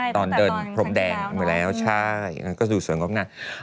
ตอนเดินพร้อมแดงมาแล้วใช่ก็ดูสวยงบนั่น